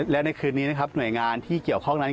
และในคืนนี้หน่วยงานที่เกี่ยวข้องกับนั้น